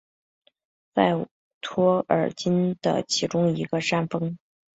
在托尔金的其中一个山峰。